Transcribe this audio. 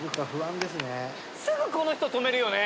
すぐこの人泊めるよね。